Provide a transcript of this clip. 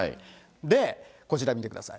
で、こちら見てください。